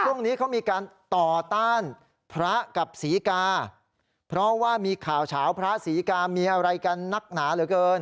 ช่วงนี้เขามีการต่อต้านพระกับศรีกาเพราะว่ามีข่าวเฉาพระศรีกามีอะไรกันนักหนาเหลือเกิน